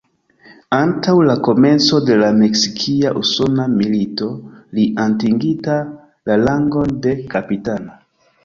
Antaŭ la komenco de la Meksikia-Usona Milito, li atingita la rangon de kapitano.